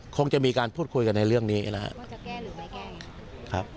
คงจะมีการพูดคุยกันในเรื่องนี้นะครับ